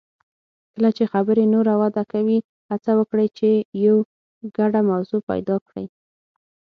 کله چې خبرې نوره وده کوي، هڅه وکړئ چې یو ګډه موضوع پیدا کړئ.